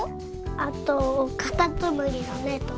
あとかたつむりのめとか。